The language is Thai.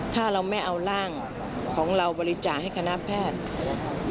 ถ้าเราไม่เอาร่างของเราบริจาคให้คณะแพทย์